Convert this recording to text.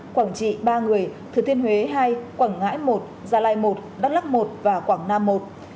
quảng trị ba người thừa thiên huế hai quảng ngãi một gia lai một đắk lắc một và quảng nam một